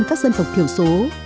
các dân tộc thiểu số